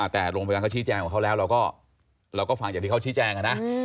แต่โรงพยาบาลชี้แจ้งของเขาแล้วเราก็ฟังจากที่เขาชี้แจ้ง